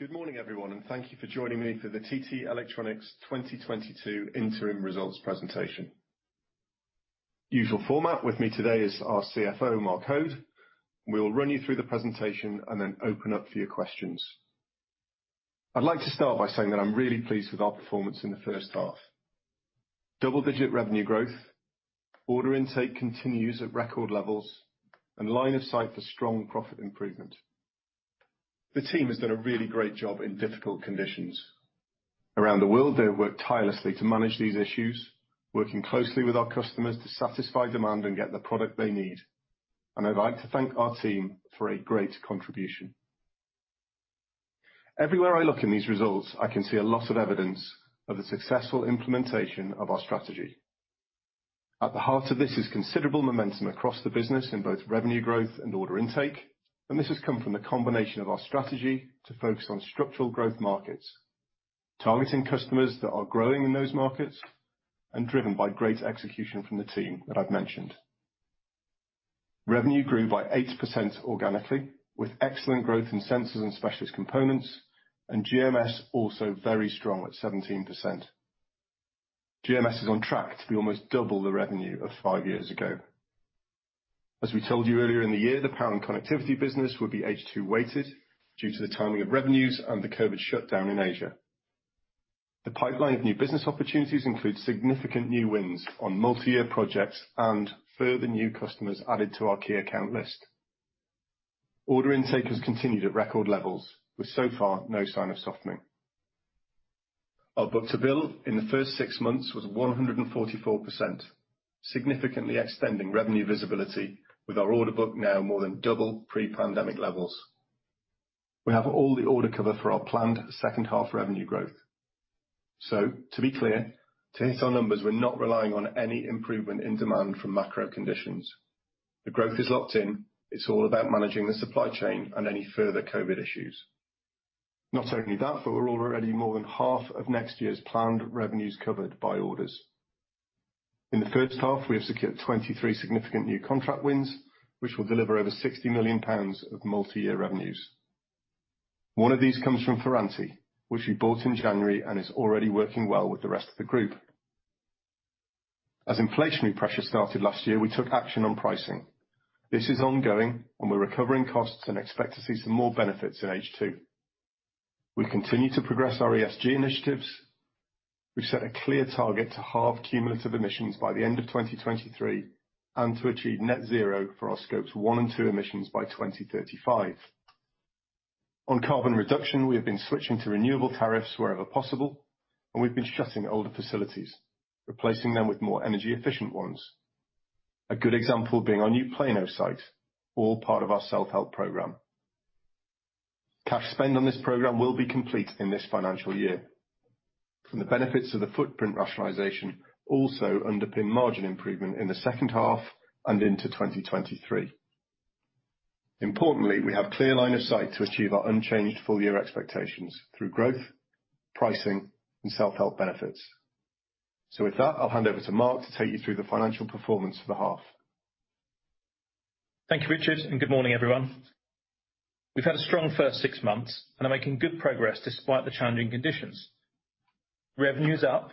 Good morning, everyone, and thank you for joining me for the TT Electronics 2022 interim results presentation. Usual format. With me today is our CFO, Mark Hoad. We'll run you through the presentation and then open up for your questions. I'd like to start by saying that I'm really pleased with our performance in the H1. Double-digit revenue growth, order intake continues at record levels, and line of sight for strong profit improvement. The team has done a really great job in difficult conditions. Around the world, they have worked tirelessly to manage these issues, working closely with our customers to satisfy demand and get the product they need, and I'd like to thank our team for a great contribution. Everywhere I look in these results, I can see a lot of evidence of the successful implementation of our strategy. At the heart of this is considerable momentum across the business in both revenue growth and order intake, and this has come from the combination of our strategy to focus on structural growth markets, targeting customers that are growing in those markets, and driven by great execution from the team that I've mentioned. Revenue grew by 8% organically, with excellent growth in Sensors and Specialist Components, and GMS also very strong at 17%. GMS is on track to be almost double the revenue of five years ago. As we told you earlier in the year, the Power and Connectivity business would be H2 weighted due to the timing of revenues and the COVID shutdown in Asia. The pipeline of new business opportunities include significant new wins on multi-year projects and further new customers added to our key account list. Order intake has continued at record levels with so far no sign of softening. Our book to bill in the first six months was 144%, significantly extending revenue visibility with our order book now more than double pre-pandemic levels. We have all the order cover for our planned H2 revenue growth. To be clear, to hit our numbers, we're not relying on any improvement in demand from macro conditions. The growth is locked in. It's all about managing the supply chain and any further COVID issues. Not only that, but we're already more than half of next year's planned revenues covered by orders. In the H1, we have secured 23 significant new contract wins, which will deliver over 60 million pounds of multi-year revenues. One of these comes from Ferranti, which we bought in January and is already working well with the rest of the group. As inflationary pressure started last year, we took action on pricing. This is ongoing and we're recovering costs and expect to see some more benefits in H2. We continue to progress our ESG initiatives. We've set a clear target to halve cumulative emissions by the end of 2023 and to achieve net zero for our scopes one and two emissions by 2035. On carbon reduction, we have been switching to renewable tariffs wherever possible, and we've been shutting older facilities, replacing them with more energy efficient ones. A good example being our new Plano site, all part of our self-help program. Cash spend on this program will be complete in this financial year, and the benefits of the footprint rationalization also underpin margin improvement in the H2 and into 2023. Importantly, we have clear line of sight to achieve our unchanged full year expectations through growth, pricing, and self-help benefits. With that, I'll hand over to Mark to take you through the financial performance for the half. Thank you, Richard, and good morning, everyone. We've had a strong first six months and are making good progress despite the challenging conditions. Revenue is up.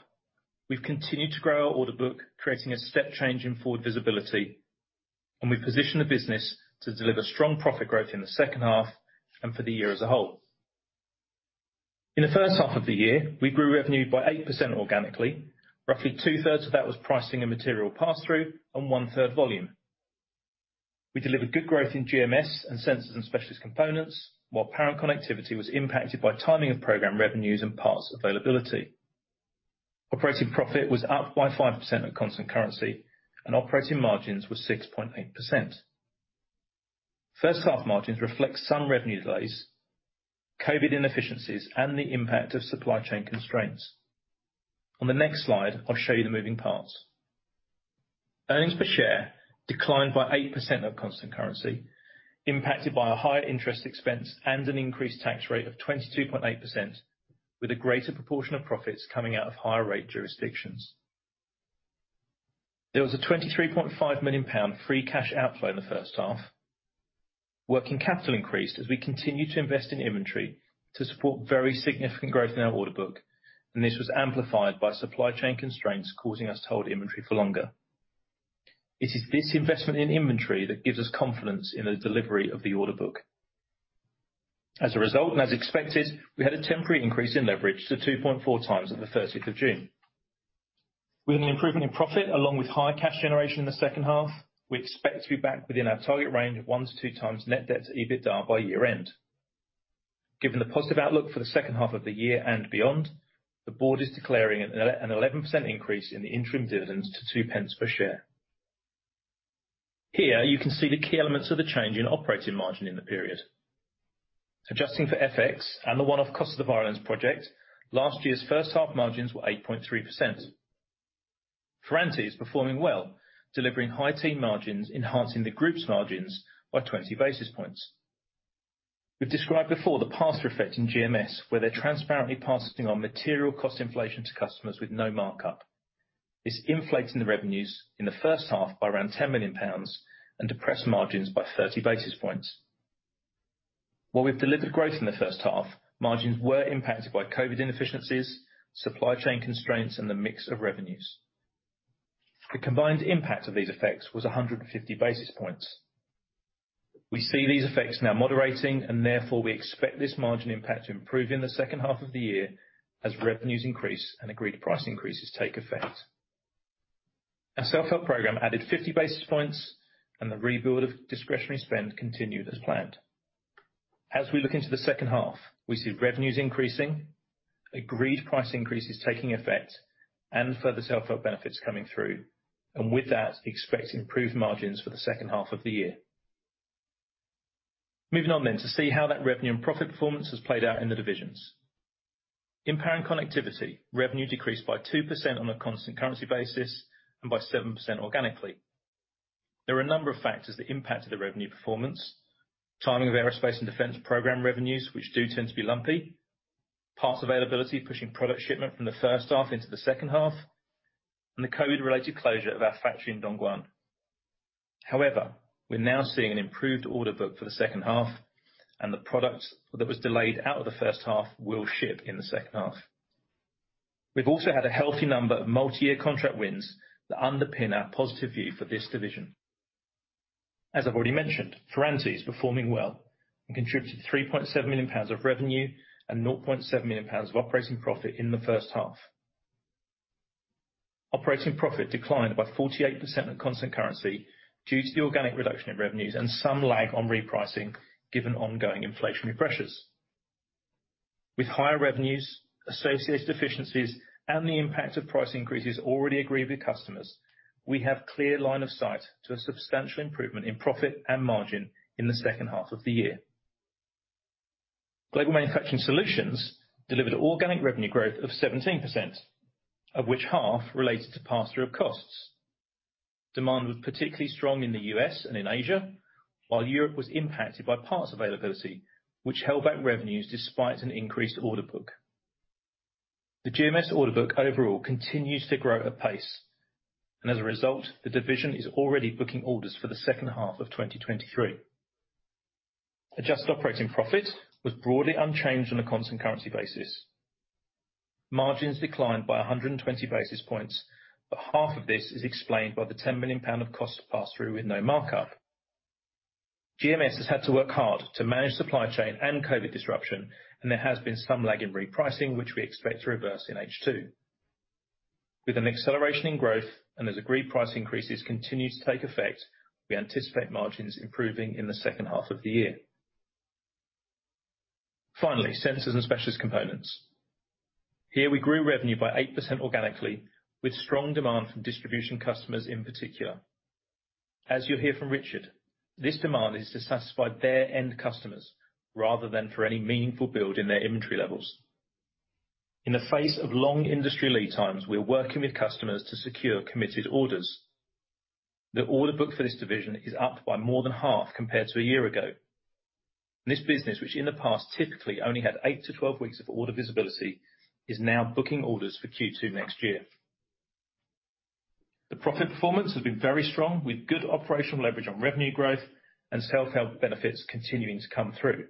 We've continued to grow our order book, creating a step change in forward visibility, and we've positioned the business to deliver strong profit growth in the H2 and for the year as a whole. In the H1 of the year, we grew revenue by 8% organically. Roughly 2/3 of that was pricing and material pass-through and one-third volume. We delivered good growth in GMS and Sensors and Specialist Components, while Power and Connectivity was impacted by timing of program revenues and parts availability. Operating profit was up by 5% at constant currency and operating margins were 6.8%. H1 margins reflect some revenue delays, COVID inefficiencies, and the impact of supply chain constraints. On the next slide, I'll show you the moving parts. Earnings per share declined by 8% on constant currency, impacted by a higher interest expense and an increased tax rate of 22.8% with a greater proportion of profits coming out of higher rate jurisdictions. There was a 23.5 million pound free cash outflow in the H1. Working capital increased as we continued to invest in inventory to support very significant growth in our order book, and this was amplified by supply chain constraints causing us to hold inventory for longer. It is this investment in inventory that gives us confidence in the delivery of the order book. As a result, and as expected, we had a temporary increase in leverage to 2.4x at June 13th. With an improvement in profit along with higher cash generation in the H2, we expect to be back within our target range of 1x-2x net debt to EBITDA by year-end. Given the positive outlook for the H2 of the year and beyond, the board is declaring an 11% increase in the interim dividends to 2 pence per share. Here, you can see the key elements of the change in operating margin in the period. Adjusting for FX and the one-off cost of the Violence project, last year's H1 margins were 8.3%. Ferranti is performing well, delivering high-teens margins, enhancing the group's margins by 20 basis points. We've described before the pass-through effect in GMS, where they're transparently passing on material cost inflation to customers with no markup. It's inflating the revenues in the H1 by around 10 million pounds and depresses margins by 30 basis points. While we've delivered growth in the H1, margins were impacted by COVID inefficiencies, supply chain constraints, and the mix of revenues. The combined impact of these effects was 150 basis points. We see these effects now moderating, and therefore we expect this margin impact to improve in the H2 of the year as revenues increase and agreed price increases take effect. Our self-help program added 50 basis points, and the rebuild of discretionary spend continued as planned. As we look into the H2, we see revenues increasing, agreed price increases taking effect, and further self-help benefits coming through, and with that, expect improved margins for the H2 of the year. Moving on to see how that revenue and profit performance has played out in the divisions. In Power and Connectivity, revenue decreased by 2% on a constant currency basis and by 7% organically. There were a number of factors that impacted the revenue performance. Timing of aerospace and defense program revenues, which do tend to be lumpy. Parts availability, pushing product shipment from the H1 into the H2. The COVID-related closure of our factory in Dongguan. However, we're now seeing an improved order book for the H2, and the product that was delayed out of the H1 will ship in the H2. We've also had a healthy number of multi-year contract wins that underpin our positive view for this division. As I've already mentioned, Ferranti is performing well and contributed 3.7 million pounds of revenue and 0.7 million pounds of operating profit in the H1. Operating profit declined by 48% at constant currency due to the organic reduction in revenues and some lag on repricing given ongoing inflationary pressures. With higher revenues, associated efficiencies, and the impact of price increases already agreed with customers, we have clear line of sight to a substantial improvement in profit and margin in the H2 of the year. Global Manufacturing Solutions delivered organic revenue growth of 17%, of which half related to pass-through of costs. Demand was particularly strong in the U.S. and in Asia, while Europe was impacted by parts availability, which held back revenues despite an increased order book. The GMS order book overall continues to grow at pace, and as a result, the division is already booking orders for the H2 of 2023. Adjusted operating profit was broadly unchanged on a constant currency basis. Margins declined by 120 basis points, but half of this is explained by the 10 million pound of cost pass-through with no markup. GMS has had to work hard to manage supply chain and COVID disruption, and there has been some lag in repricing, which we expect to reverse in H2. With an acceleration in growth and as agreed price increases continue to take effect, we anticipate margins improving in the H2 of the year. Finally, Sensors and Specialist Components. Here we grew revenue by 8% organically, with strong demand from distribution customers in particular. As you'll hear from Richard, this demand is to satisfy their end customers rather than for any meaningful build in their inventory levels. In the face of long industry lead times, we're working with customers to secure committed orders. The order book for this division is up by more than half compared to a year ago. This business, which in the past typically only had 8-12 weeks of order visibility, is now booking orders for Q2 next year. The profit performance has been very strong, with good operational leverage on revenue growth and self-help benefits continuing to come through.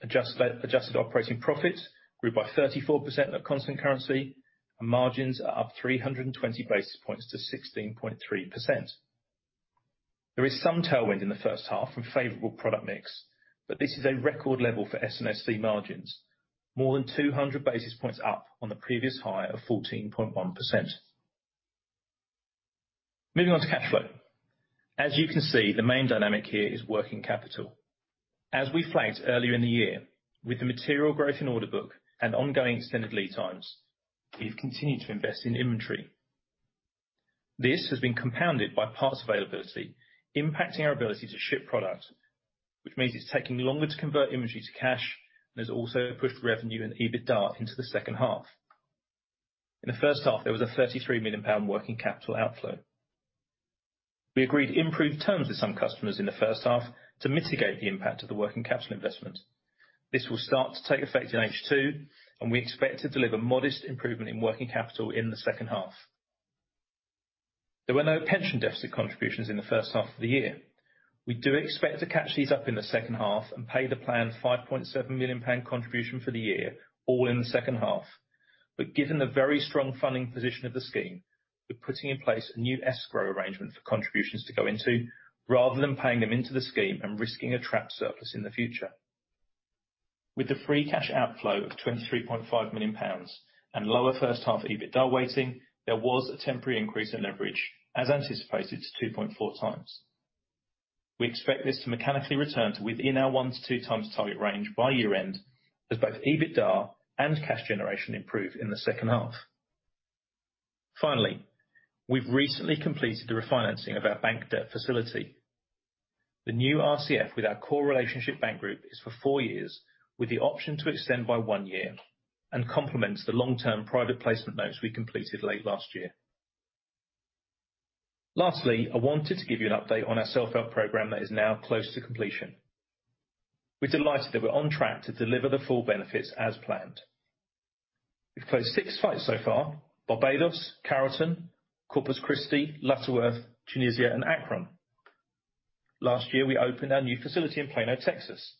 Adjusted operating profit grew by 34% at constant currency, and margins are up 320 basis points to 16.3%. There is some tailwind in the H1 from favorable product mix, but this is a record level for S&SC margins, more than 200 basis points up on the previous high of 14.1%. Moving on to cash flow. As you can see, the main dynamic here is working capital. As we flagged earlier in the year, with the material growth in order book and ongoing extended lead times, we've continued to invest in inventory. This has been compounded by parts availability, impacting our ability to ship product, which means it's taking longer to convert inventory to cash. Has also pushed revenue and EBITDA into the H2. In the H1, there was a 33 million pound working capital outflow. We agreed improved terms with some customers in the H1 to mitigate the impact of the working capital investment. This will start to take effect in H2, and we expect to deliver modest improvement in working capital in the H2. There were no pension deficit contributions in the H1 of the year. We do expect to catch these up in the H2 and pay the planned 5.7 million pound contribution for the year, all in the H2. Given the very strong funding position of the scheme, we're putting in place a new escrow arrangement for contributions to go into, rather than paying them into the scheme and risking a trapped surplus in the future. With the free cash outflow of 23.5 million pounds and lower H1 EBITDA weighting, there was a temporary increase in leverage, as anticipated, to 2.4x. We expect this to mechanically return to within our 1x-2x target range by year-end, as both EBITDA and cash generation improve in the H2. Finally, we've recently completed the refinancing of our bank debt facility. The new RCF with our core relationship bank group is for four years, with the option to extend by one year, and complements the long-term private placement notes we completed late last year. Lastly, I wanted to give you an update on our self-help program that is now close to completion. We're delighted that we're on track to deliver the full benefits as planned. We've closed six sites so far, Barbados, Carrollton, Corpus Christi, Lutterworth, Tunisia, and Akron. Last year, we opened our new facility in Plano, Texas.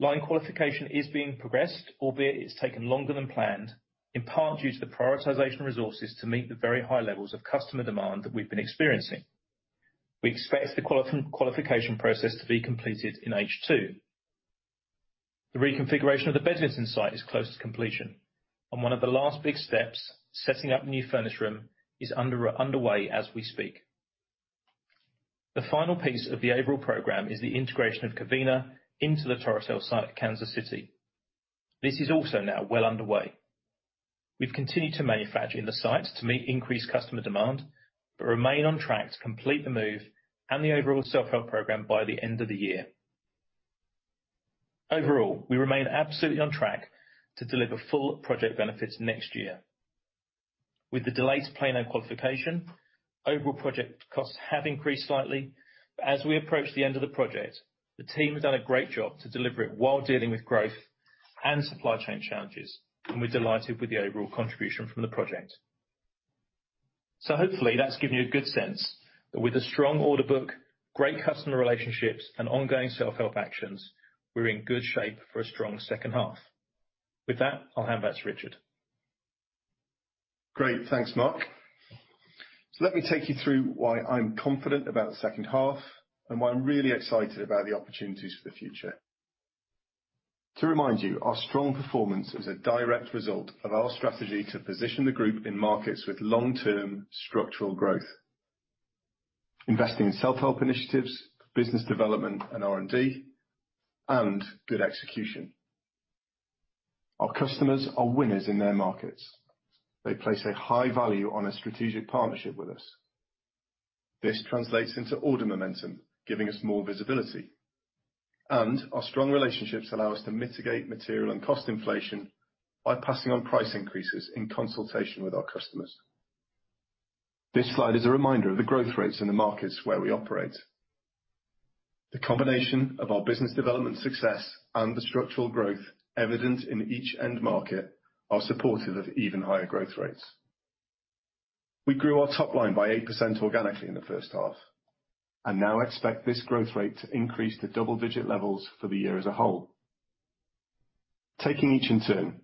Line qualification is being progressed, albeit it's taken longer than planned, in part due to the prioritization of resources to meet the very high levels of customer demand that we've been experiencing. We expect the qualification process to be completed in H2. The reconfiguration of the Bedlington site is close to completion. One of the last big steps, setting up new clean room is underway as we speak. The final piece of the overall program is the integration of Covina into the Torotel site in Olathe, Kansas. This is also now well underway. We've continued to manufacture in the site to meet increased customer demand, but remain on track to complete the move and the overall self-help program by the end of the year. Overall, we remain absolutely on track to deliver full project benefits next year. With the delayed Plano qualification, overall project costs have increased slightly. As we approach the end of the project, the team has done a great job to deliver it while dealing with growth and supply chain challenges, and we're delighted with the overall contribution from the project. Hopefully, that's given you a good sense that with a strong order book, great customer relationships, and ongoing self-help actions, we're in good shape for a strong H2. With that, I'll hand back to Richard. Great. Thanks, Mark. Let me take you through why I'm confident about the H2, and why I'm really excited about the opportunities for the future. To remind you, our strong performance is a direct result of our strategy to position the group in markets with long-term structural growth, investing in self-help initiatives, business development and R&D, and good execution. Our customers are winners in their markets. They place a high value on a strategic partnership with us. This translates into order momentum, giving us more visibility, and our strong relationships allow us to mitigate material and cost inflation by passing on price increases in consultation with our customers. This slide is a reminder of the growth rates in the markets where we operate. The combination of our business development success and the structural growth evident in each end market are supportive of even higher growth rates. We grew our top line by 8% organically in the H1, and now expect this growth rate to increase to double-digit levels for the year as a whole. Taking each in turn.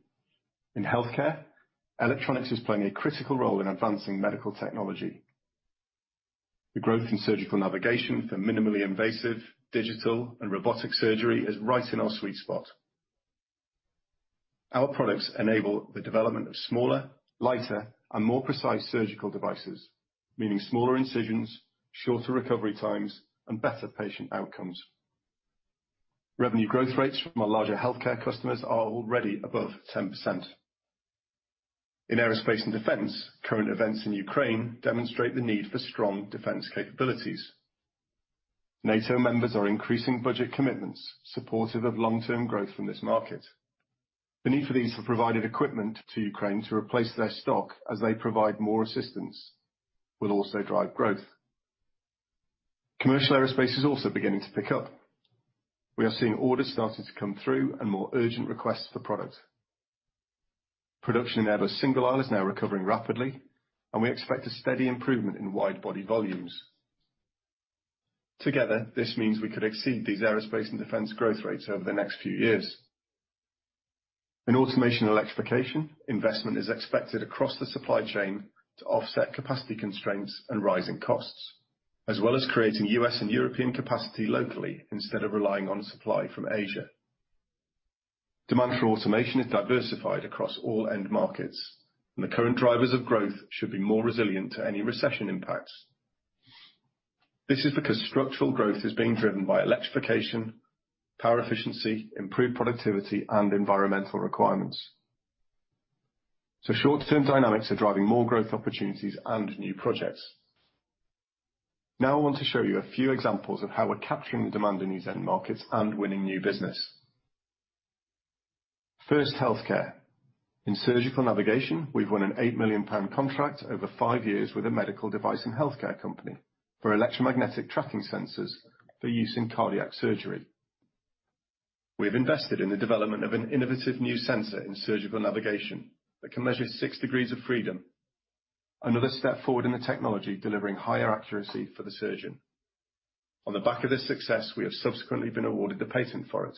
In healthcare, electronics is playing a critical role in advancing medical technology. The growth in surgical navigation for minimally invasive digital and robotic surgery is right in our sweet spot. Our products enable the development of smaller, lighter, and more precise surgical devices, meaning smaller incisions, shorter recovery times, and better patient outcomes. Revenue growth rates from our larger healthcare customers are already above 10%. In aerospace and defense, current events in Ukraine demonstrate the need for strong defense capabilities. NATO members are increasing budget commitments, supportive of long-term growth from this market. The need for these have provided equipment to Ukraine to replace their stock as they provide more assistance, will also drive growth. Commercial aerospace is also beginning to pick up. We are seeing orders starting to come through and more urgent requests for product. Production in Airbus single aisle is now recovering rapidly, and we expect a steady improvement in wide-body volumes. Together, this means we could exceed these aerospace and defense growth rates over the next few years. In automation and electrification, investment is expected across the supply chain to offset capacity constraints and rising costs, as well as creating US and European capacity locally instead of relying on supply from Asia. Demand for automation is diversified across all end markets, and the current drivers of growth should be more resilient to any recession impacts. This is because structural growth is being driven by electrification, power efficiency, improved productivity, and environmental requirements. Short-term dynamics are driving more growth opportunities and new projects. Now I want to show you a few examples of how we're capturing the demand in these end markets and winning new business. First, healthcare. In surgical navigation, we've won a 8 million pound contract over five years with a medical device and healthcare company for electromagnetic tracking sensors for use in cardiac surgery. We have invested in the development of an innovative new sensor in surgical navigation that can measure six degrees of freedom, another step forward in the technology delivering higher accuracy for the surgeon. On the back of this success, we have subsequently been awarded the patent for it.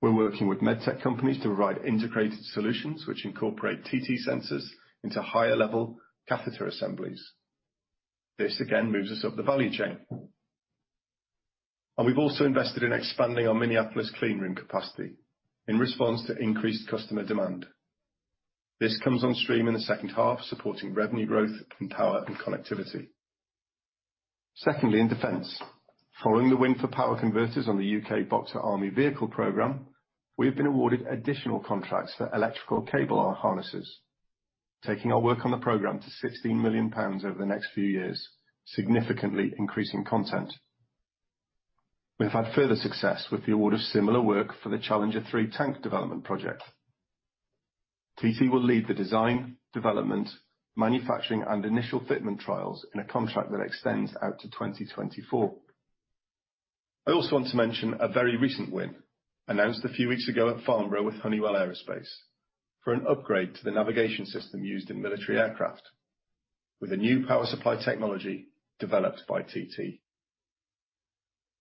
We're working with med tech companies to provide integrated solutions which incorporate TT sensors into higher level catheter assemblies. This again moves us up the value chain. We've also invested in expanding our Minneapolis clean room capacity in response to increased customer demand. This comes on stream in the H2, supporting revenue growth in Power and Connectivity. Secondly, in defense. Following the win for power converters on the U.K. Boxer army vehicle program, we have been awarded additional contracts for electrical cable or harnesses, taking our work on the program to 16 million pounds over the next few years, significantly increasing content. We've had further success with the order of similar work for the Challenger 3 tank development project. TT will lead the design, development, manufacturing, and initial fitment trials in a contract that extends out to 2024. I also want to mention a very recent win, announced a few weeks ago at Farnborough with Honeywell Aerospace, for an upgrade to the navigation system used in military aircraft with a new power supply technology developed by TT.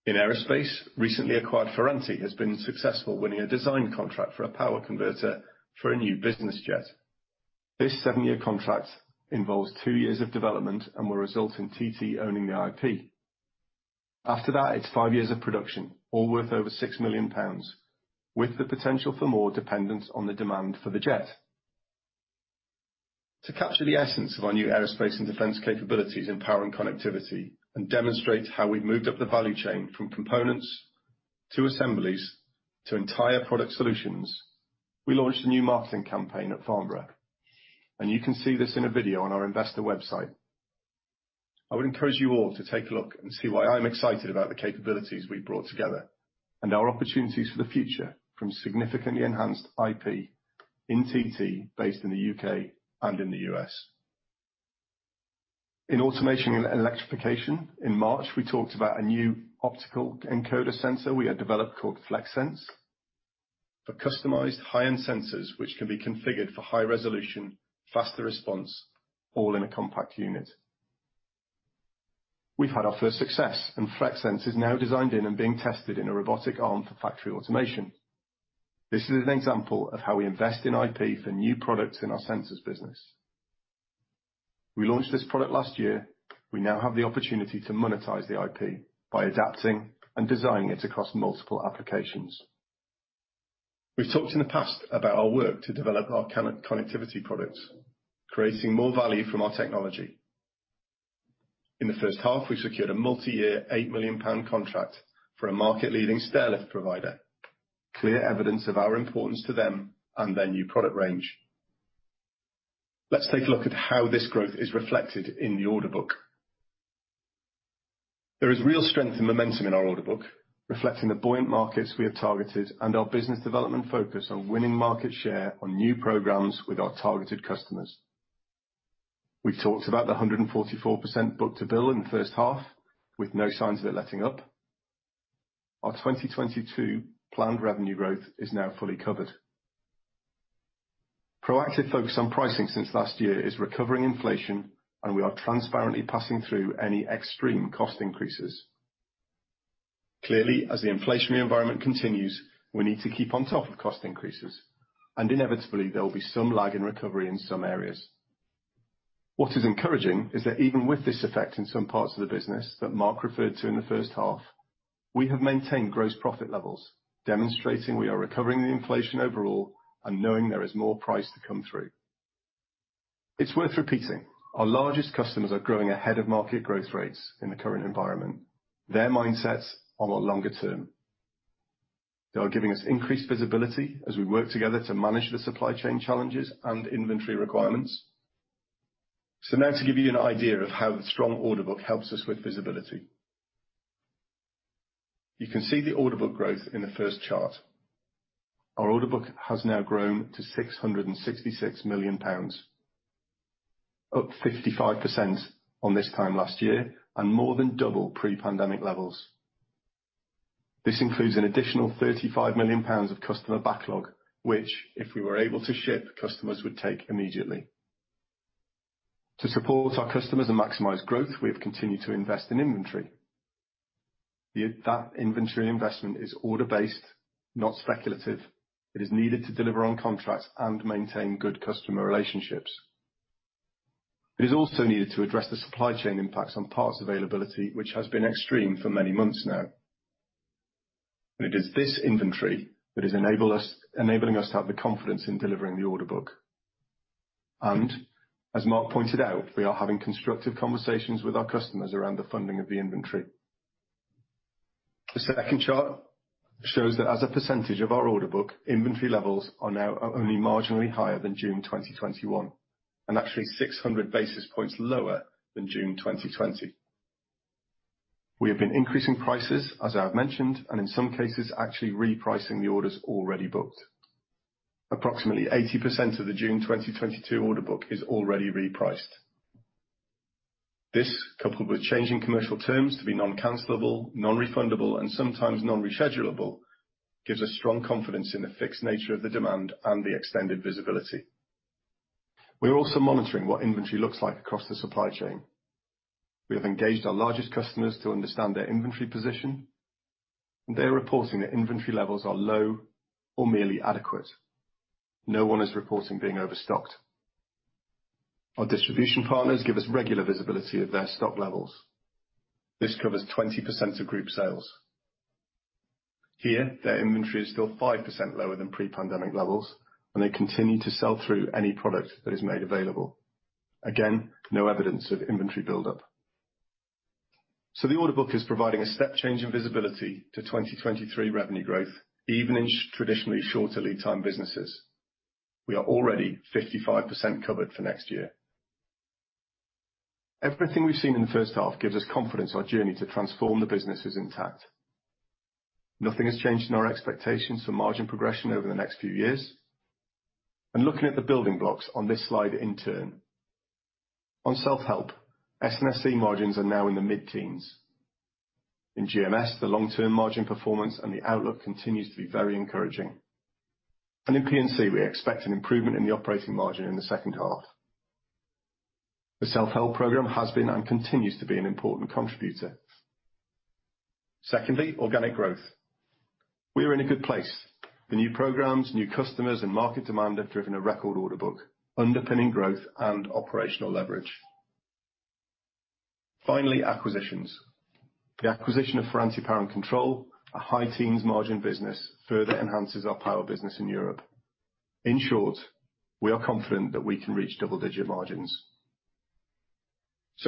In aerospace, recently acquired Ferranti has been successful winning a design contract for a power converter for a new business jet. This seven-year contract involves two years of development and will result in TT owning the IP. After that, it's five years of production, all worth over 6 million pounds, with the potential for more dependence on the demand for the jet. To capture the essence of our new aerospace and defense capabilities in power and connectivity and demonstrate how we've moved up the value chain from components to assemblies to entire product solutions, we launched a new marketing campaign at Farnborough, and you can see this in a video on our investor website. I would encourage you all to take a look and see why I'm excited about the capabilities we brought together and our opportunities for the future from significantly enhanced IP in TT based in the U.K. and in the U.S. In automation and electrification, in March, we talked about a new optical encoder sensor we had developed called FlexSense for customized high-end sensors, which can be configured for high resolution, faster response, all in a compact unit. We've had our first success, and FlexSense is now designed in and being tested in a robotic arm for factory automation. This is an example of how we invest in IP for new products in our sensors business. We launched this product last year. We now have the opportunity to monetize the IP by adapting and designing it across multiple applications. We've talked in the past about our work to develop our connectivity products, creating more value from our technology. In the H1, we secured a multi-year, 8 million pound contract for a market-leading stair lift provider, clear evidence of our importance to them and their new product range. Let's take a look at how this growth is reflected in the order book. There is real strength and momentum in our order book, reflecting the buoyant markets we have targeted and our business development focus on winning market share on new programs with our targeted customers. We talked about the 144% book to bill in the H1 with no signs of it letting up. Our 2022 planned revenue growth is now fully covered. Proactive focus on pricing since last year is recovering inflation, and we are transparently passing through any extreme cost increases. Clearly, as the inflationary environment continues, we need to keep on top of cost increases, and inevitably, there will be some lag in recovery in some areas. What is encouraging is that even with this effect in some parts of the business that Mark referred to in the H1, we have maintained gross profit levels, demonstrating we are recovering the inflation overall and knowing there is more price to come through. It's worth repeating. Our largest customers are growing ahead of market growth rates in the current environment. Their mindsets are a lot longer term. They are giving us increased visibility as we work together to manage the supply chain challenges and inventory requirements. Now to give you an idea of how the strong order book helps us with visibility. You can see the order book growth in the first chart. Our order book has now grown to 666 million pounds, up 55% on this time last year and more than double pre-pandemic levels. This includes an additional 35 million pounds of customer backlog, which if we were able to ship, customers would take immediately. To support our customers and maximize growth, we have continued to invest in inventory. That inventory investment is order based, not speculative. It is needed to deliver on contracts and maintain good customer relationships. It is also needed to address the supply chain impacts on parts availability, which has been extreme for many months now. It is this inventory enabling us to have the confidence in delivering the order book. As Mark pointed out, we are having constructive conversations with our customers around the funding of the inventory. The second chart shows that as a percentage of our order book, inventory levels are now only marginally higher than June 2021, and actually 600 basis points lower than June 2020. We have been increasing prices, as I have mentioned, and in some cases, actually repricing the orders already booked. Approximately 80% of the June 2022 order book is already repriced. This, coupled with changing commercial terms to be non-cancelable, non-refundable, and sometimes non-reschedulable, gives us strong confidence in the fixed nature of the demand and the extended visibility. We are also monitoring what inventory looks like across the supply chain. We have engaged our largest customers to understand their inventory position. They're reporting that inventory levels are low or merely adequate. No one is reporting being overstocked. Our distribution partners give us regular visibility of their stock levels. This covers 20% of group sales. Here, their inventory is still 5% lower than pre-pandemic levels, and they continue to sell through any product that is made available. Again, no evidence of inventory buildup. The order book is providing a step change in visibility to 2023 revenue growth, even in traditionally shorter lead time businesses. We are already 55% covered for next year. Everything we've seen in the H1 gives us confidence our journey to transform the business is intact. Nothing has changed in our expectations for margin progression over the next few years. Looking at the building blocks on this slide in turn. On self-help, S&SC margins are now in the mid-teens. In GMS, the long-term margin performance and the outlook continues to be very encouraging. In PNC, we expect an improvement in the operating margin in the H2. The self-help program has been, and continues to be an important contributor. Secondly, organic growth. We are in a good place. The new programs, new customers, and market demand have driven a record order book underpinning growth and operational leverage. Finally, acquisitions. The acquisition of Ferranti Power & Control, a high-teens margin business, further enhances our power business in Europe. In short, we are confident that we can reach double-digit margins.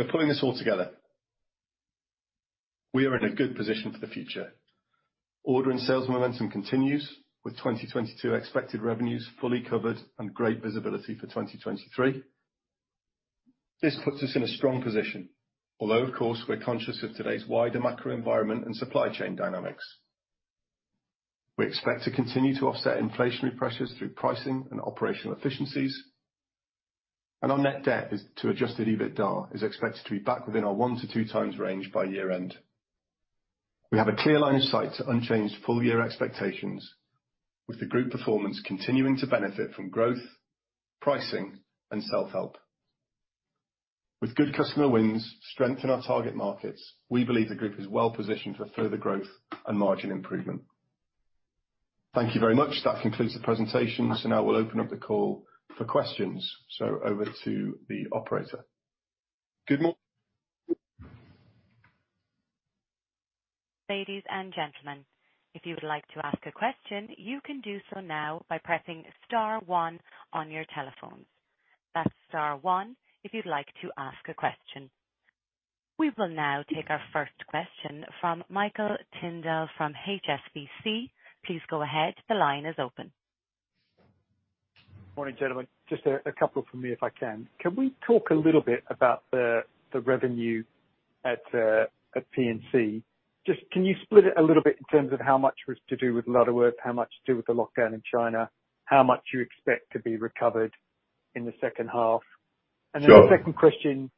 Pulling this all together, we are in a good position for the future. Order and sales momentum continues, with 2022 expected revenues fully covered and great visibility for 2023. This puts us in a strong position, although of course, we're conscious of today's wider macro environment and supply chain dynamics. We expect to continue to offset inflationary pressures through pricing and operational efficiencies. Our net debt to adjusted EBITDA is expected to be back within our 1x-2x range by year-end. We have a clear line of sight to unchanged full year expectations, with the group performance continuing to benefit from growth, pricing, and self-help. With good customer wins, strengthen our target markets, we believe the group is well positioned for further growth and margin improvement. Thank you very much. That concludes the presentation. Now we'll open up the call for questions. Over to the operator. Good mor- Ladies and gentlemen, if you would like to ask a question, you can do so now by pressing star one on your telephones. That's star one if you'd like to ask a question. We will now take our first question from Michael Tyndall from HSBC. Please go ahead. The line is open. Morning, gentlemen. Just, a couple from me, if I can. Can we talk a little bit about the revenue at PNC? Just can you split it a little bit in terms of how much was to do with Lutterworth, how much to do with the lockdown in China, how much you expect to be recovered in the H2? Sure. The second question,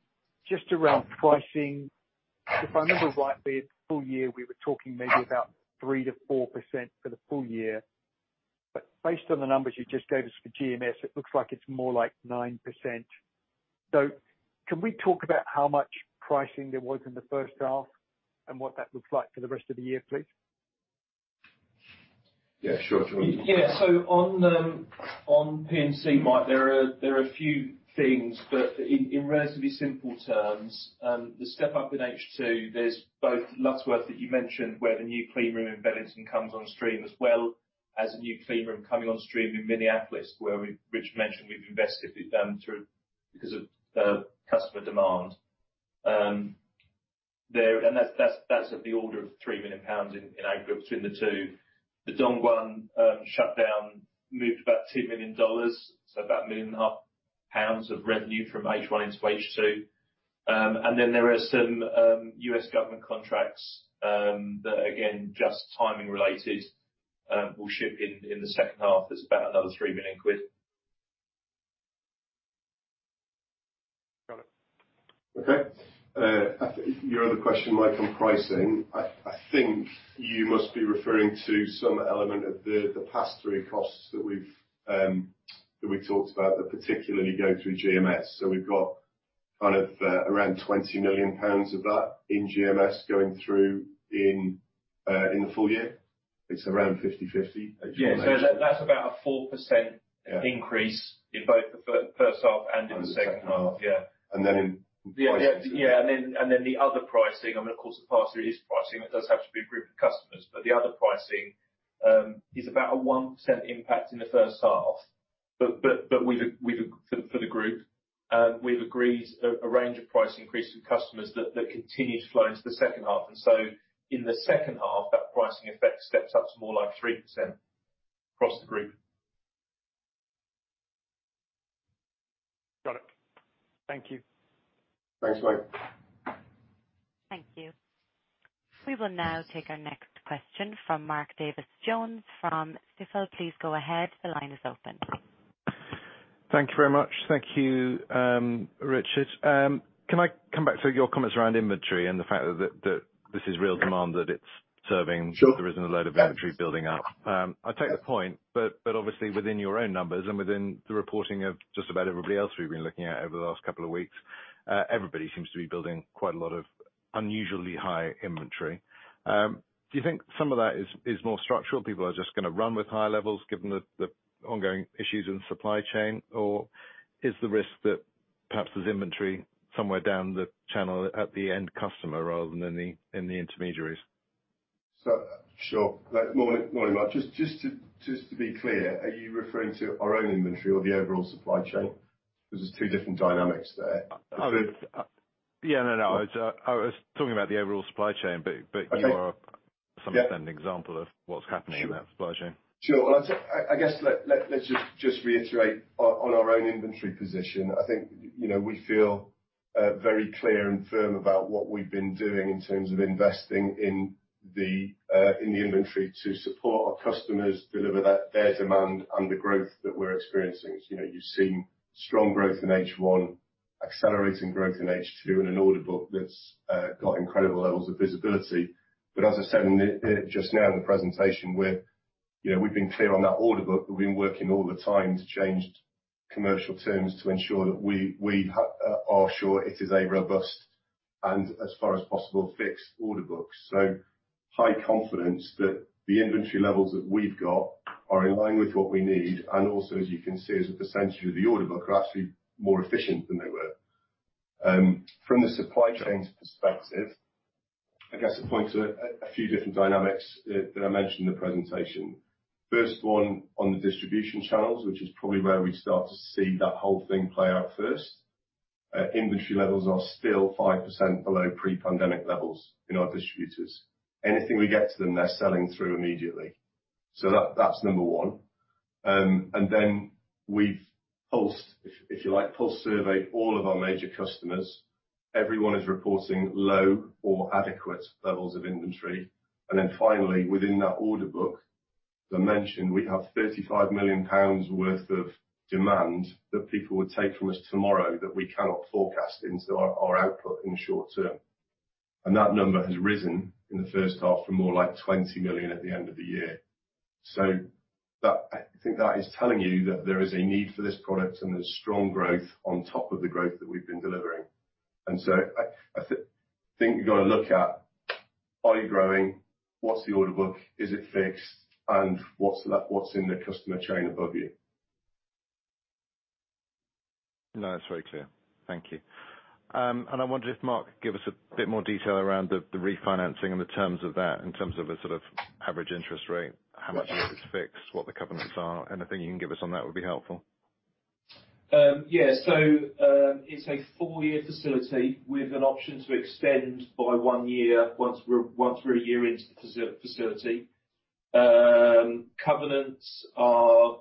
just around pricing. If I remember rightly, at the full year, we were talking maybe about 3%-4% for the full year. Based on the numbers you just gave us for GMS, it looks like it's more like 9%. Can we talk about how much pricing there was in the H1 and what that looks like for the rest of the year, please? Yeah, sure. Do you wanna- Yeah. On PNC, Mike, there are a few things, but in relatively simple terms, the step up in H2, there's both Lutterworth that you mentioned, where the new clean room in Bedlington comes on stream, as well as a new clean room coming on stream in Minneapolis, where Richard mentioned we've invested with them through because of customer demand. That's of the order of 3 million pounds in aggregate between the two. The Dongguan shutdown moved about $2 million, so about 1.5 million of revenue from H1 into H2. Then there are some U.S. government contracts that again, just timing related, will ship in the H2. That's about another 3 million quid. Got it. Okay. Your other question, Mike, on pricing, I think you must be referring to some element of the pass-through costs that we've talked about that particularly go through GMS. We've got kind of around 20 million pounds of that in GMS going through in the full year. It's around 50/50. Yeah. That's about 4%- Yeah Increase in both the H1 and in the H2. The H2. Yeah. In pricing. The other pricing, I mean, of course the pass-through is pricing that does have to be a group of customers. But the other pricing is about a 1% impact in the H1. But we've agreed, for the group, a range of price increases with customers that continue to flow into the H2. In the H2, that pricing effect steps up to more like 3% across the group. Got it. Thank you. Thanks, Mike. Thank you. We will now take our next question from Mark Davies Jones from Stifel. Please go ahead. The line is open. Thank you very much. Thank you, Richard. Can I come back to your comments around inventory and the fact that this is real demand that it's serving? Sure There isn't a load of inventory building up. I take the point, but obviously within your own numbers and within the reporting of just about everybody else we've been looking at over the last couple of weeks, everybody seems to be building quite a lot of unusually high inventory. Do you think some of that is more structural, people are just gonna run with higher levels given the ongoing issues in supply chain? Or is the risk that perhaps there's inventory somewhere down the channel at the end customer rather than in the intermediaries? Sure. Look, morning, Mark. Just to be clear, are you referring to our own inventory or the overall supply chain? Because there's two different dynamics there. Yeah, no. I was talking about the overall supply chain, but you are to some extent an example of what's happening in that supply chain. Sure. Well, I guess let's just reiterate on our own inventory position. I think, you know, we feel very clear and firm about what we've been doing in terms of investing in the inventory to support our customers deliver their demand and the growth that we're experiencing. You know, you've seen strong growth in H1, accelerating growth in H2 and an order book that's got incredible levels of visibility. As I said just now in the presentation, we're, you know, we've been clear on that order book. We've been working all the time to change commercial terms to ensure that we are sure it is a robust and as far as possible, fixed order book. High confidence that the inventory levels that we've got are in line with what we need, and also, as you can see, is that the sanctuary of the order book are actually more efficient than they were. From the supply chains perspective, I guess to point to a few different dynamics that I mentioned in the presentation. First one, on the distribution channels, which is probably where we start to see that whole thing play out first. Inventory levels are still 5% below pre-pandemic levels in our distributors. Anything we get to them, they're selling through immediately. That, that's number one. We've pulsed, if you like, pulse surveyed all of our major customers. Everyone is reporting low or adequate levels of inventory. Finally, within that order book, as I mentioned, we have 35 million pounds worth of demand that people would take from us tomorrow that we cannot forecast into our output in the short term. That number has risen in the H1 from more like 20 million at the end of the year. That I think that is telling you that there is a need for this product and there's strong growth on top of the growth that we've been delivering. I think you've got to look at, are you growing, what's the order book, is it fixed, and what's left, what's in the customer chain above you? No, that's very clear. Thank you. I wonder if Mark could give us a bit more detail around the refinancing and the terms of that in terms of the sort of average interest rate, how much of it is fixed, what the covenants are. Anything you can give us on that would be helpful. It's a four-year facility with an option to extend by one year once we're a year into the facility. Covenants are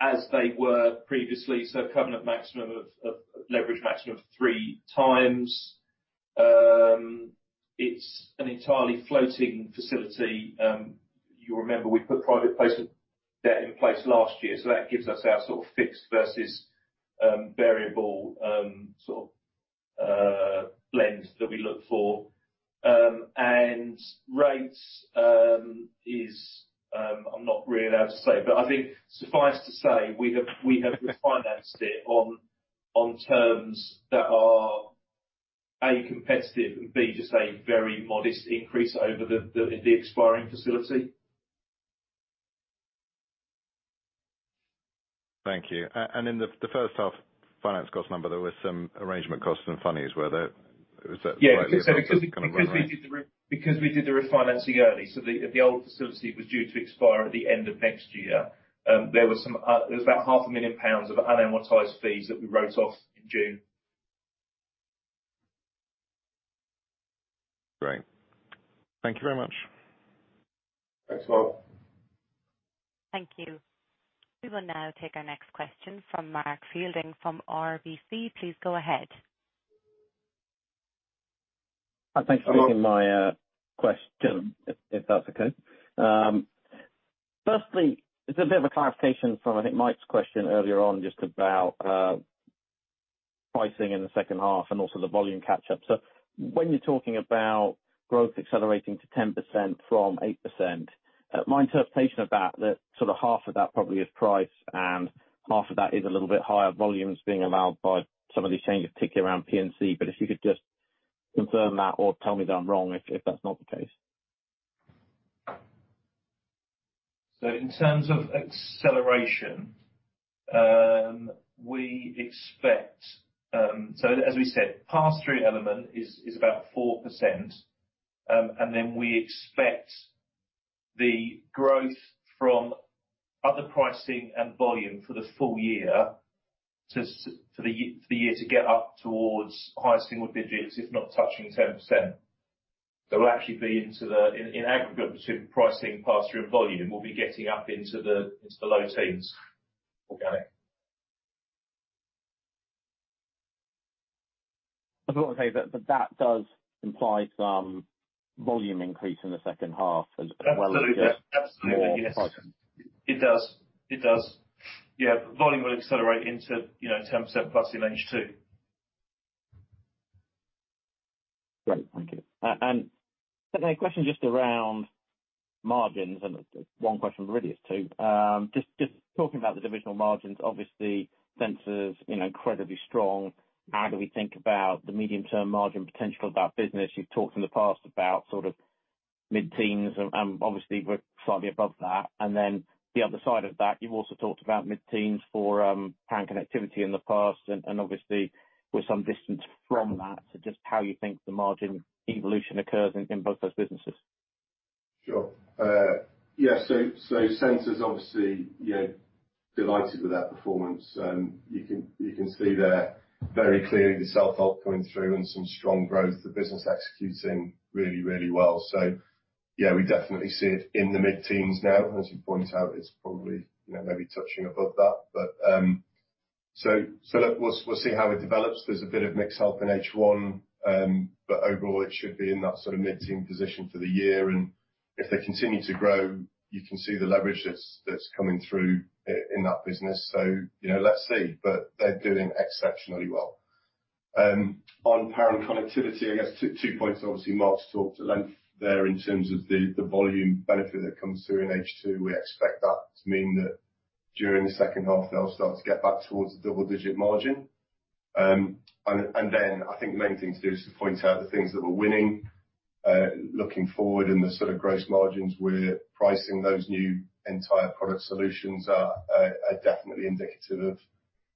as they were previously, so covenant maximum of leverage maximum of 3x. It's an entirely floating facility. You remember we put private placement debt in place last year, so that gives us our sort of fixed versus variable sort of blend that we look for. Rates is, I'm not really allowed to say. I think suffice to say we have refinanced it on terms that are A, competitive, and B, just a very modest increase over the expiring facility. Thank you. In the H1 finance cost number, there was some arrangement costs and funnies. Was that Because we did the refinancing early. The old facility was due to expire at the end of next year. There was about half a million pounds of unamortized fees that we wrote off in June. Great. Thank you very much. Thanks, Mark. Thank you. We will now take our next question from Mark Fielding from RBC. Please go ahead. Thanks for taking my question, if that's okay. Firstly, it's a bit of a clarification from, I think, Mike's question earlier on just about pricing in the H2 and also the volume catch up. When you're talking about growth accelerating to 10% from 8%, my interpretation of that sort of half of that probably is price and half of that is a little bit higher volumes being allowed by some of these changes, particularly around P&C. If you could just confirm that or tell me that I'm wrong if that's not the case. In terms of acceleration, we expect. As we said, pass-through element is about 4%, and then we expect the growth from other pricing and volume for the year to get up towards high single digits, if not touching 10%. We'll actually be in aggregate between pricing, pass-through, and volume, getting up into the low teens organic. I just want to say that that does imply some volume increase in the H2 as well as just. Absolutely. Yes. more pricing. It does. Yeah. Volume will accelerate into, you know, 10% plus in H2. Great. Thank you. A question just around margins and one question really is two. Just talking about the divisional margins, obviously Sensors, you know, incredibly strong. How do we think about the medium-term margin potential of that business? You've talked in the past about sort of mid-teens and obviously we're slightly above that. The other side of that, you've also talked about mid-teens for Power & Connectivity in the past and obviously with some distance from that to just how you think the margin evolution occurs in both those businesses. Sure. Yeah. Sensors obviously, you know. Delighted with that performance. You can see there very clearly the self-help coming through and some strong growth, the business executing really, really well. Yeah, we definitely see it in the mid-teens now. As you point out, it's probably, you know, maybe touching above that, but. Look, we'll see how it develops. There's a bit of mixed headwinds in H1, but overall, it should be in that sort of mid-teens position for the year. If they continue to grow, you can see the leverage that's coming through in that business. You know, let's see. They're doing exceptionally well. On Power and Connectivity, I guess two points. Obviously, Mark's talked at length there in terms of the volume benefit that comes through in H2. We expect that to mean that during the H2, they'll start to get back towards the double-digit margin. I think the main thing to do is to point out the things that we're winning, looking forward and the sort of gross margins we're pricing those new entire product solutions are definitely indicative of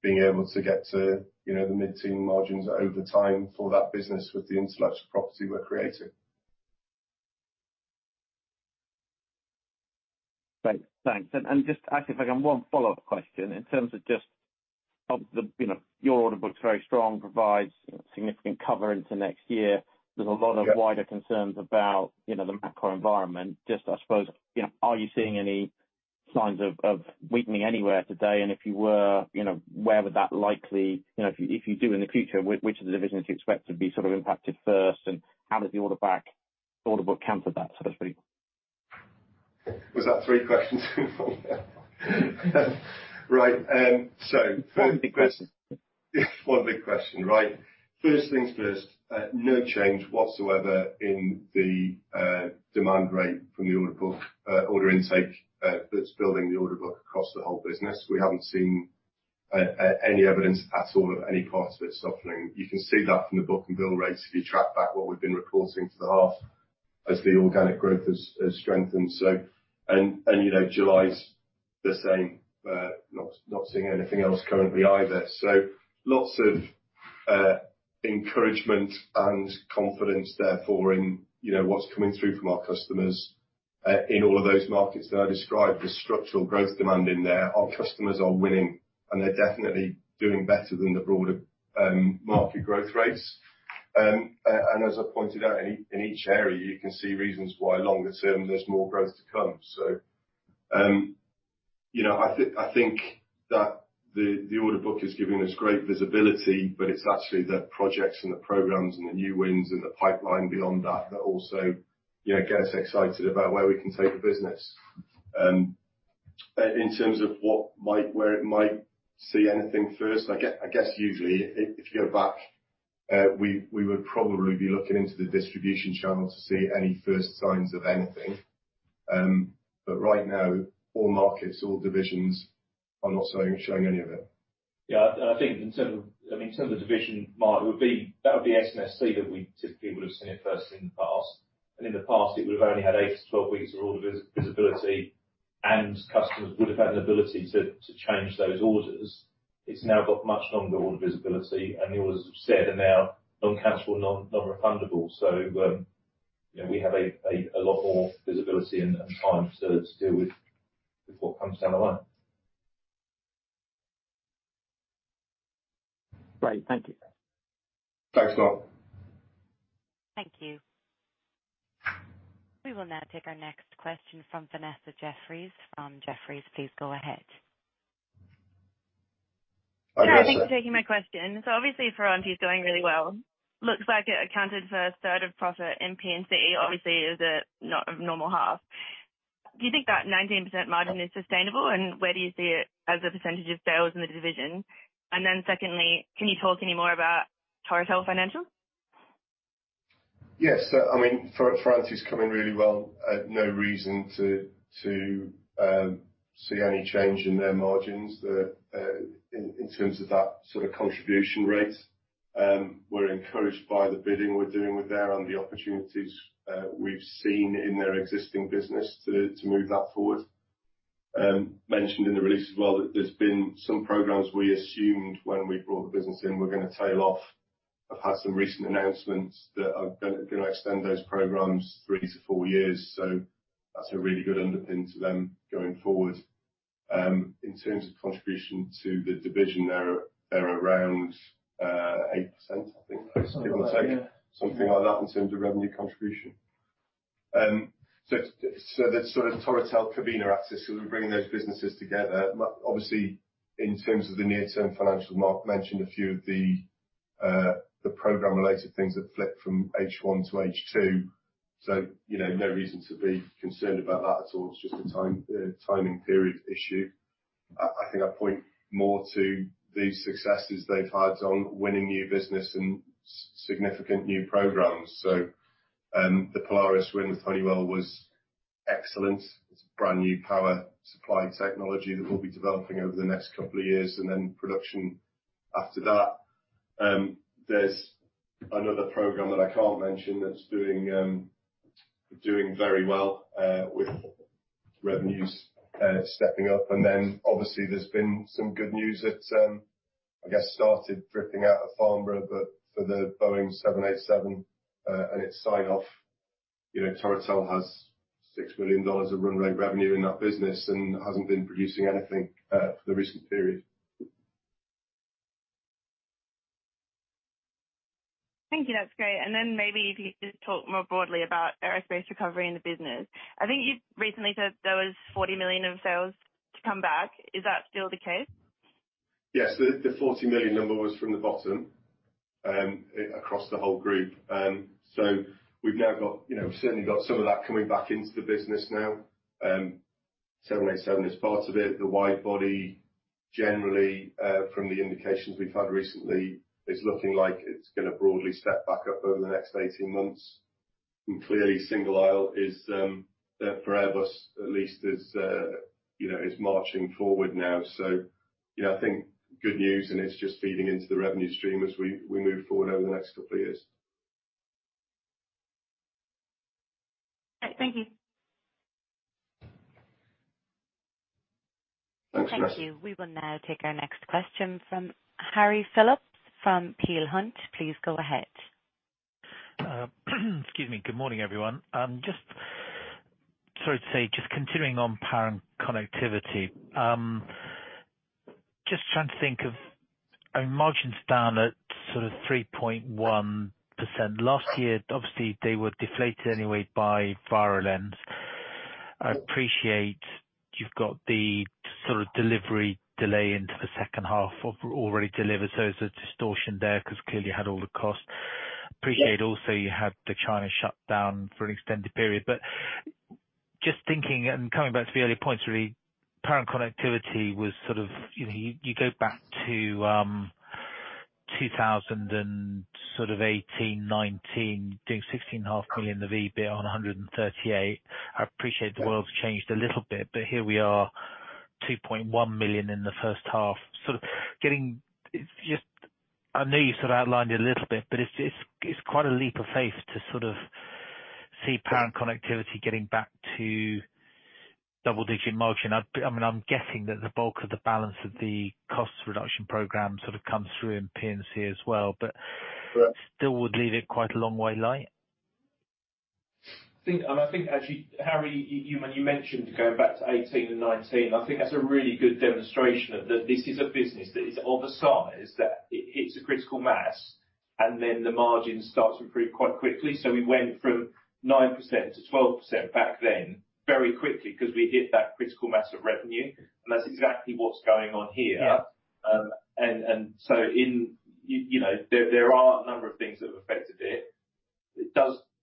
being able to get to, you know, the mid-teen margins over time for that business with the intellectual property we're creating. Great. Thanks. Just actually if I can, one follow-up question in terms of just of the, you know, your order book's very strong, provides significant cover into next year. Yeah. There's a lot of wider concerns about, you know, the macro environment. Just, I suppose, you know, are you seeing any signs of weakening anywhere today? If you were, you know, where would that likely, you know, if you do in the future, which of the divisions do you expect to be sort of impacted first, and how does the order book counter that sort of thing? Was that three questions in one? Right. One big question. One big question, right. First things first, no change whatsoever in the demand rate from the order book, order intake, that's building the order book across the whole business. We haven't seen any evidence at all of any part of it softening. You can see that from the book and bill rates, if you track back what we've been reporting for the half as the organic growth has strengthened. You know, July's the same, not seeing anything else currently either. Lots of encouragement and confidence therefore in you know what's coming through from our customers in all of those markets that I described, the structural growth demand in there, our customers are winning, and they're definitely doing better than the broader market growth rates. As I pointed out, in each area, you can see reasons why longer term there's more growth to come. You know, I think that the order book is giving us great visibility, but it's actually the projects and the programs and the new wins and the pipeline beyond that also, you know, get us excited about where we can take the business. In terms of where it might see anything first, I guess usually if you go back, we would probably be looking into the distribution channel to see any first signs of anything. Right now, all markets, all divisions are not showing any of it. Yeah. I think in terms of, I mean, in terms of division, Mark, it would be S&SC that we typically would have seen it first in the past. In the past, it would have only had eight-12 weeks of order visibility, and customers would have had an ability to change those orders. It's now got much longer order visibility, and the orders as you've said are now non-cancelable, non-refundable. You know, we have a lot more visibility and time to deal with what comes down the line. Great. Thank you. Thanks, Mark. Thank you. We will now take our next question from Vanessa Jeffriess from Jefferies. Please go ahead. Hi, Vanessa. Yeah, thanks for taking my question. Obviously, Ferranti is doing really well. Looks like it accounted for a third of profit in PNC, obviously it's a non-normal half. Do you think that 19% margin is sustainable, and where do you see it as a percentage of sales in the division? Secondly, can you talk any more about Torotel financial? Yes. I mean, Ferranti is coming really well. No reason to see any change in their margins, in terms of that sort of contribution rate. We're encouraged by the bidding we're doing with them and the opportunities we've seen in their existing business to move that forward. Mentioned in the release as well that there's been some programs we assumed when we brought the business in were gonna tail off, have had some recent announcements that are gonna extend those programs three-four years. That's a really good underpin to them going forward. In terms of contribution to the division, they're around 8%, I think something like that in terms of revenue contribution. The sort of Torotel Covina assets, so we're bringing those businesses together. Obviously in terms of the near-term financial Mark mentioned a few of the program related things that flipped from H1 to H2. You know, no reason to be concerned about that at all. It's just a timing period issue. I think I point more to the successes they've had on winning new business and significant new programs. The Polaris win with Honeywell was excellent. It's brand new power supply technology that we'll be developing over the next couple of years and then production after that. There's another program that I can't mention that's doing very well with revenues stepping up. Then obviously there's been some good news that I guess started dripping out of Farnborough, but for the Boeing 787 and its sign off. You know, Torotel has $6 million of run rate revenue in that business and hasn't been producing anything for the recent period. Thank you. That's great. Maybe if you could just talk more broadly about aerospace recovery in the business. I think you've recently said there was 40 million of sales to come back. Is that still the case? Yes. The forty million number was from the bottom across the whole group. So we've now got, you know, certainly got some of that coming back into the business now. 787 is part of it. The wide body generally, from the indications we've had recently, is looking like it's gonna broadly step back up over the next 18 months. Clearly, single aisle is, for Airbus, at least, you know, is marching forward now. I think good news, and it's just feeding into the revenue stream as we move forward over the next couple of years. Thank you. Thanks, Grace. Thank you. We will now take our next question from Harry Philips from Peel Hunt. Please go ahead. Excuse me. Good morning, everyone. Just sorry to say, just continuing on Power and Connectivity. Margin's down at sort of 3.1%. Last year, obviously, they were deflated anyway by Virulence. I appreciate you've got the sort of delivery delay into the H2 of already delivered, so there's a distortion there because clearly you had all the costs. Yeah. Appreciate also you had the China shutdown for an extended period. Just thinking and coming back to the earlier points really, Power and Connectivity was sort of, you know, you go back to 2018, 2019, doing 16.5 million, the EBIT on 138 million. I appreciate the world's changed a little bit, but here we are 2.1 million in the H1. It's just I know you sort of outlined it a little bit, but it's quite a leap of faith to sort of see Power and Connectivity getting back to double-digit margin. I mean, I'm guessing that the bulk of the balance of the cost reduction program sort of comes through in P&C as well. Right. Still would leave it quite a long way light. I think actually, Harry, you when you mentioned going back to 2018 and 2019, I think that's a really good demonstration of that this is a business that is of a size that it hits a critical mass, and then the margin starts to improve quite quickly. We went from 9%-12% back then very quickly because we hit that critical mass of revenue, and that's exactly what's going on here. Yeah. In, you know, there are a number of things that have affected it.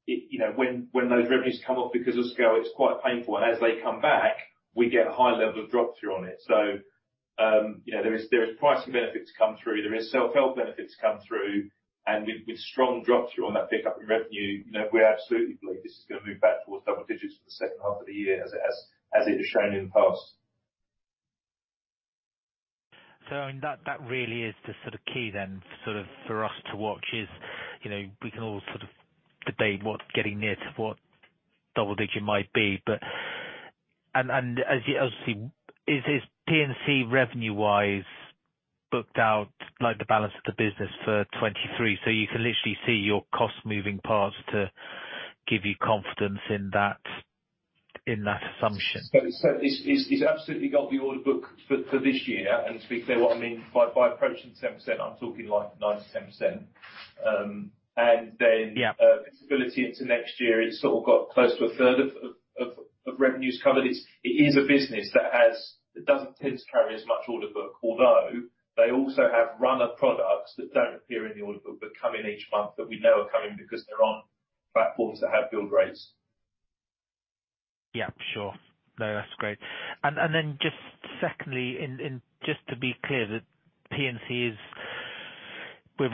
You know, when those revenues come off because of scale, it's quite painful. As they come back, we get a high level of drop-through on it. You know, there is pricing benefits come through. There is self-help benefits come through and with strong drop-through on that pickup in revenue, you know, we absolutely believe this is gonna move back towards double digits for the H2 of the year as it has shown in the past. I mean, that really is the sort of key then sort of for us to watch is, you know, we can all sort of debate what's getting near to what double digit might be, and as you obviously is P&C revenue-wise booked out like the balance of the business for 2023, so you can literally see your cost moving parts to give you confidence in that assumption? It's absolutely got the order book for this year and to be clear what I mean by approaching 10%, I'm talking like 9%-10%. Then- Yeah Visibility into next year, it's sort of got close to a third of revenues covered. It is a business that doesn't tend to carry as much order book, although they also have runner products that don't appear in the order book but come in each month that we know are coming because they're on platforms that have build rates. Yeah, sure. No, that's great. Then just secondly, just to be clear. Well,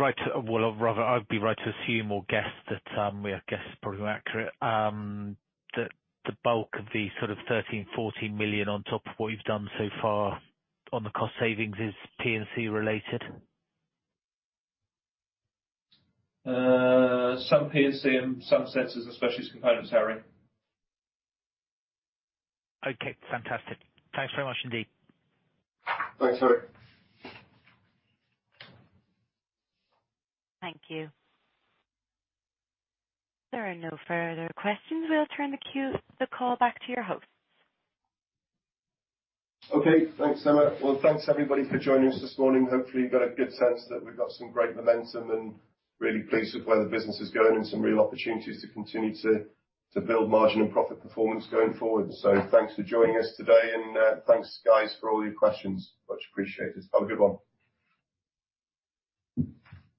rather I'd be right to assume or guess that our guess is probably accurate, that the bulk of the sort of 13 million-14 million on top of what you've done so far on the cost savings is P&C related. Some P&C and some sensors, especially as components, Harry. Okay. Fantastic. Thanks very much indeed. Thanks, Harry. Thank you. There are no further questions. We'll turn the call back to your host. Okay. Thanks, Emma. Well, thanks everybody for joining us this morning. Hopefully, you got a good sense that we've got some great momentum and really pleased with where the business is going and some real opportunities to continue to build margin and profit performance going forward. Thanks for joining us today and, thanks guys for all your questions. Much appreciated. Have a good one.